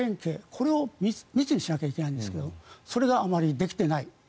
これを密にしなきゃいけないんですがそれがあまりできていない。